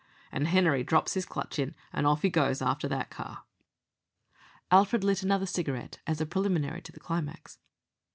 and Henery drops his clutch in, and off he goes after that car." Alfred lit another cigarette as a preliminary to the climax.